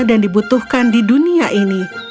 dan dibutuhkan di dunia ini